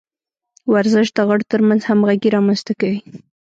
ورزش د غړو ترمنځ همغږي رامنځته کوي.